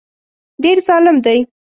ډېر ظالم دی.